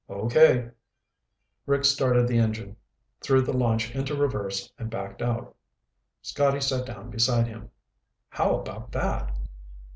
"Okay." Rick started the engine, threw the launch into reverse, and backed out. Scotty sat down beside him. "How about that?"